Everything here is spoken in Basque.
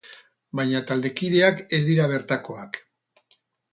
Baina taldekideak ez dira bertakoak.